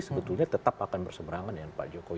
sebetulnya tetap akan berseberangan dengan pak jokowi